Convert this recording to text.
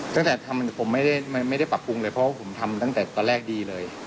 ตั้งแต่ทำผมไม่ได้ปรับปรุงเลยเพราะว่าผมทำตั้งแต่ตอนแรกดีเลย